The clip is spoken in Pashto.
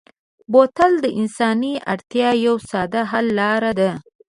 بوتل د انساني اړتیا یوه ساده حل لاره ده.